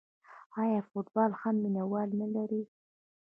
آیا فوتبال هم مینه وال نلري؟